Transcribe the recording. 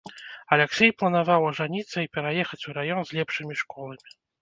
Аляксей планаваў ажаніцца і пераехаць у раён з лепшымі школамі.